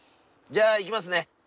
じゃあ行きますね。